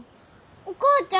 お母ちゃん？